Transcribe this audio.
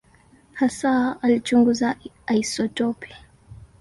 Hasa alichunguza isotopi.